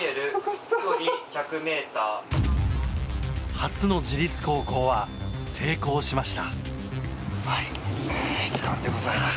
初の自律航行は成功しました。